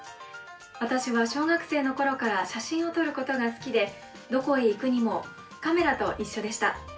私は小学生のころから写真を撮ることが好きでどこへ行くにもカメラと一緒でした。